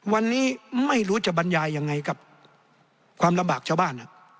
วันนี้ไม่รู้จะบรรยายยังไงกับความลำบากชาวบ้าน